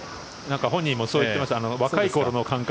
本人もそう言ってました。